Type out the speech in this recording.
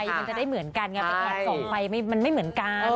มันจะได้เหมือนกันไงไปแอบส่องไฟมันไม่เหมือนกัน